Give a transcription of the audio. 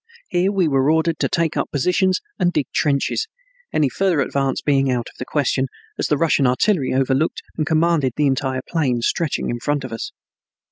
Here we were ordered to take up positions and dig trenches, any further advance being out of the question, as the Russian artillery overlooked and commanded the entire plain stretching in front of us.